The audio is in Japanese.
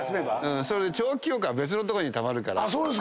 それで長期記憶は別の所にたまるから。